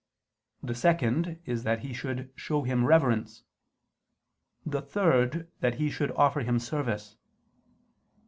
The second is that he should show Him reverence: the third that he should offer Him service.